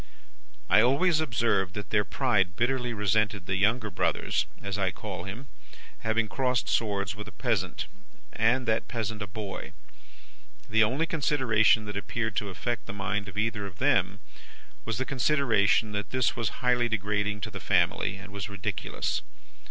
"I always observed that their pride bitterly resented the younger brother's (as I call him) having crossed swords with a peasant, and that peasant a boy. The only consideration that appeared to affect the mind of either of them was the consideration that this was highly degrading to the family, and was ridiculous.